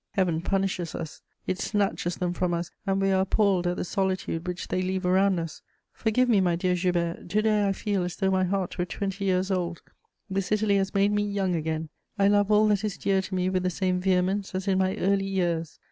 Heaven punishes us; it snatches them from us, and we are appalled at the solitude which they leave around us. Forgive me, my dear Joubert: to day I feel as though my heart were twenty years old; this Italy has made me young again; I love all that is dear to me with the same vehemence as in my early years.